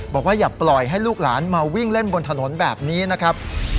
อย่าปล่อยให้ลูกหลานมาวิ่งเล่นบนถนนแบบนี้นะครับ